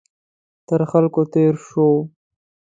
تر خلکو تېر شو.